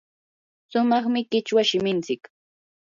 sumaqmi qichwa shiminchik.